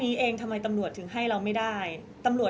ก็ต้องฝากพี่สื่อมวลชนในการติดตามเนี่ยแหละค่ะ